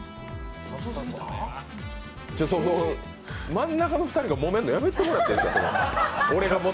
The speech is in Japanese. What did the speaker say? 真ん中の２人がもめるのやめてもらっていい？